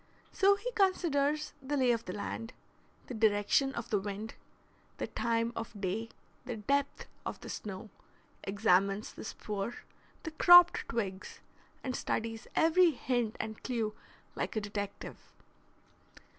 So he considers the lay of the land, the direction of the wind, the time of day, the depth of the snow, examines the spoor, the cropped twigs, and studies every hint and clew like a detective.